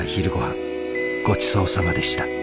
ごちそうさまでした。